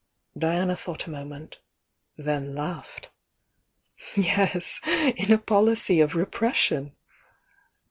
Diana thought a moment — then laughed. "Yes! — in a policy of repression!"